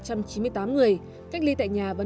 cách ly tại nhà và nhà đồng